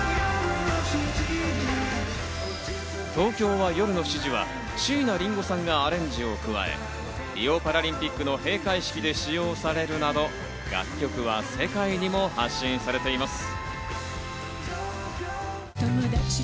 『東京は夜の七時』は椎名林檎さんがアレンジを加え、リオパラリンピックの閉会式で使用されるなど、楽曲は世界にも発信されています。